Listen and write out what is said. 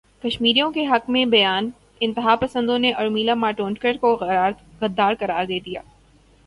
کشمیریوں کے حق میں بیان انتہا پسندوں نے ارمیلا ماٹونڈکر کو غدار قرار دے دیا